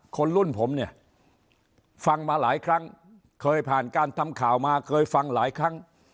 คนรุ่นผมเนี่ยฟังมาหลายครั้งเคยผ่านการทำข่าวมาเคยฟังหลายครั้ง